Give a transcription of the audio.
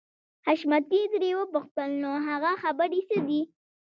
حشمتي ترې وپوښتل نو هغه خبرې څه دي.